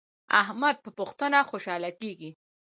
احمد په پښتنه خوشحاله کیږي.